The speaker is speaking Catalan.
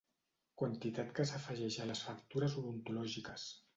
Quantitat que s'afegeix a les factures odontològiques.